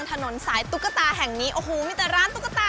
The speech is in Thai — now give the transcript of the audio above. กับการเปิดลอกจินตนาการของเพื่อนเล่นวัยเด็กของพวกเราอย่างโลกของตุ๊กตา